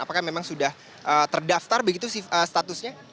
apakah memang sudah terdaftar begitu statusnya